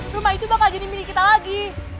rumah itu bakal jadi mini kita lagi